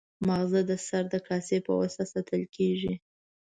ماغزه د سر د کاسې په واسطه ساتل کېږي.